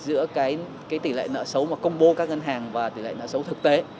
giữa cái tỷ lệ nợ xấu mà combo các ngân hàng và tỷ lệ nợ xấu thực tế